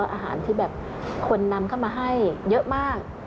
อาหารที่แบบคนนำเข้ามาให้เยอะมาก